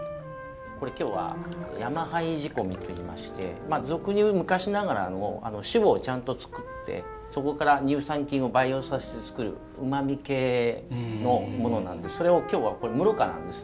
これ今日は山廃仕込みといいまして俗に言う昔ながらの酒母をちゃんと作ってそこから乳酸菌を培養させて作るうまみ系のものなんでそれを今日は無濾過なんです。